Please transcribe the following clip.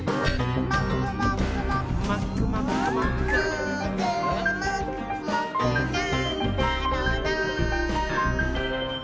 「もーくもくもくなんだろなぁ」